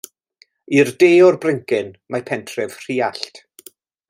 I'r de o'r bryncyn mae pentref Rhuallt.